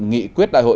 nghị quyết đại hội